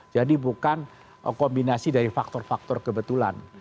jadi bukan kombinasi dari faktor faktor kebetulan